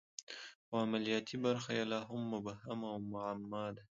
خو عملیاتي برخه یې لا هم مبهم او معما ده